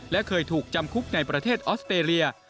และเคยถูกจำคุกในประเทศออสเตรเลีย